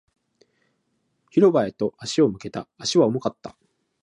広場へと足を向けた。足は重かった。